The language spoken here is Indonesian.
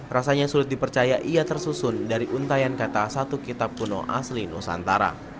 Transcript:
rasanya sulit dipercaya ia tersusun dari untayan kata a satu kitab kuno asli nusantara